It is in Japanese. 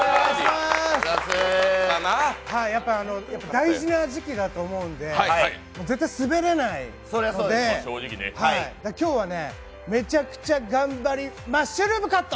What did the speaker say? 大事な時期だと思うんで絶対スベれないと思うんで今日はめちゃくちゃ頑張りマッシュルームカット。